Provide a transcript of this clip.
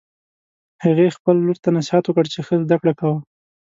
هغې خپل لور ته نصیحت وکړ چې ښه زده کړه کوه